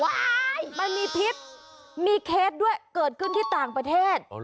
มันมีพิษมีเคสด้วยเกิดขึ้นที่ต่างประเทศ